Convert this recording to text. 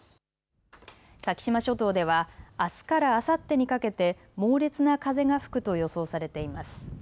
先島諸島ではあすからあさってにかけて猛烈な風が吹くと予想されています。